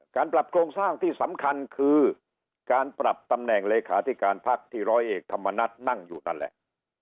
การปรับโครงสร้างที่สำคัญคือการปรับตำแหน่งเลขาธิการพักที่ร้อยเอกธรรมนัฐนั่งอยู่นั่นแหละ